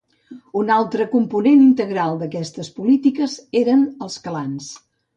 Un altre component integral d'aquestes polítiques eren els clans.